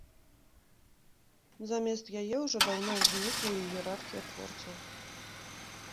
Замест яе ўжо даўно ўзнікла іерархія творцаў.